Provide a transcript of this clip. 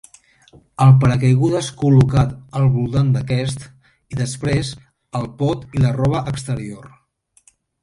El paracaigudes col·locat al voltant d'aquest, i després el pot i la roba exterior.